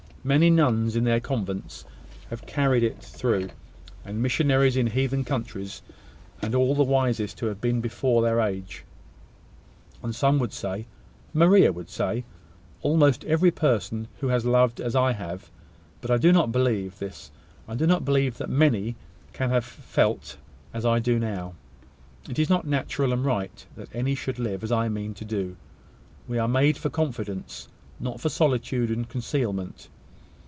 Many nuns in their convents have carried it through: and missionaries in heathen countries, and all the wisest who have been before their age; and some say Maria would say almost every person who has loved as I have: but I do not believe this: I do not believe that many that any can have felt as I do now. It is not natural and right that any should live as I mean to do. We are made for confidence, not for such solitude and concealment.